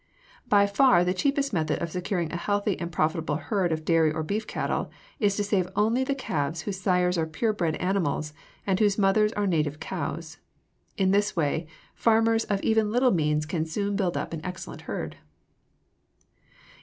By far the cheapest method of securing a healthy and profitable herd of dairy or beef cattle is to save only the calves whose sires are pure bred animals and whose mothers are native cows. In this way farmers of even little means can soon build up an excellent herd.